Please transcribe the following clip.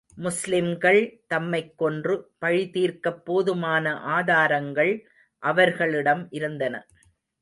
முஸ்லிம்கள் தம்மைக் கொன்று, பழி தீர்க்கப் போதுமான ஆதாரங்கள் அவர்களிடம் இருந்தன.